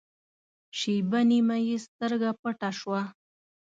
شېبه نیمه یې سترګه پټه شوه.